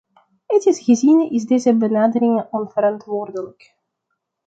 Ethisch gezien is deze benadering onverantwoordelijk.